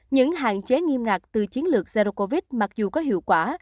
những hạn chế nghiêm ngặt từ chiến lược zero covid mặc dù có hiệu quả